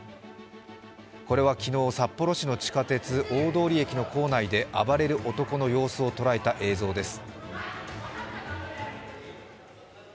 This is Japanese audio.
これは昨日、札幌市の地下鉄大通駅の構内で暴れる男の様子を捉えた映像です。